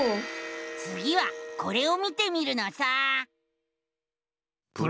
つぎはこれを見てみるのさ！